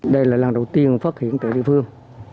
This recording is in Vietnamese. đây là lần đầu tiên phát hiện tại địa phương